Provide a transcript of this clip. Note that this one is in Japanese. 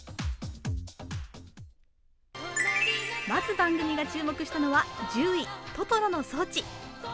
まず番組が注目したのは１０位、トトロの装置。